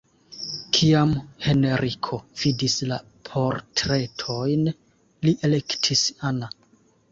Kiam Henriko vidis la portretojn, li elektis Anna.